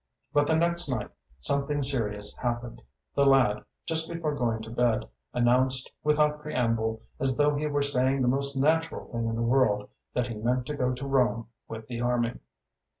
But the next night something serious happened. The lad, just before going to bed, announced, without preamble, as though he were saying the most natural thing in the world, that he meant to go to Rome with the army.